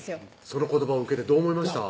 その言葉を受けてどう思いました？